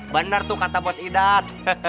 benar tuh kata bos idat